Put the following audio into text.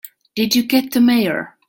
Did you get the Mayor?